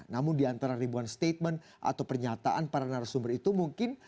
namun di antara ribuan statement atau pernyataan para narasumber itu mungkin